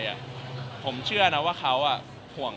คือเวลาที่ใครเม้นอะไรที่แบบน่ากลัวรุนแรงเกินไป